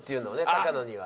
高野には。